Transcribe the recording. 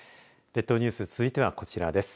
列島ニュース続いては、こちらです。